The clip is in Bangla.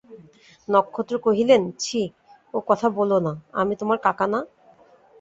নক্ষত্র কহিলেন, ছি, ও কথা বোলো না, আমি তোমার কাকা না।